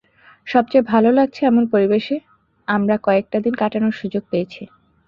সবচেয়ে ভালো লাগছে, এমন পরিবেশে আমরা কয়েকটা দিন কাটানোর সুযোগ পেয়েছি।